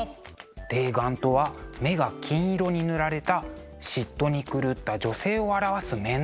泥眼とは目が金色に塗られた嫉妬に狂った女性を表す面のこと。